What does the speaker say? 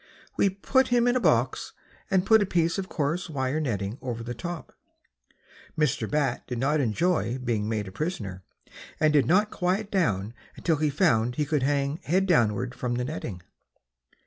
We put him in a box and put a piece of coarse wire netting over the top. Mr. Bat did not enjoy being made a prisoner, and did not quiet down until he found he could hang head downward from the netting.